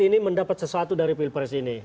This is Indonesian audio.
ini mendapat sesuatu dari pilpres ini